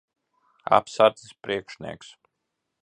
Apsardzes priekšnieks.